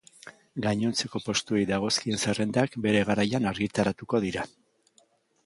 Gainontzeko postuei dagozkien zerrendak bere garaian argitaratuko dira.